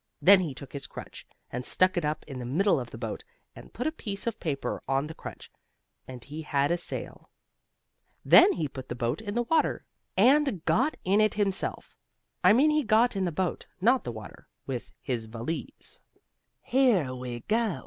Then he took his crutch, and stuck it up in the middle of the boat, and put a piece of paper on the crutch, and he had a sail. Then he put the boat in the water, and got in it himself. I mean he got in the boat, not the water with his valise. "Here we go!"